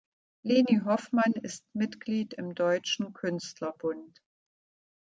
Leni Hoffmann ist Mitglied im Deutschen Künstlerbund.